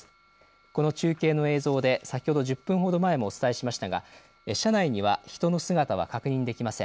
この中継の映像で先ほど１０分ほど前もお伝えしましたが車内には人の姿は確認できません。